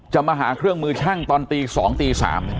มาหาเครื่องมือช่างตอนตี๒ตี๓